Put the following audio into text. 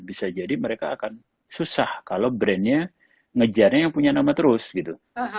bisa jadi mereka akan susah kalau brandnya ngejarnya yang punya nama terus gitu